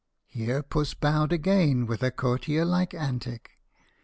Here Puss bowed again with a courtier like antic.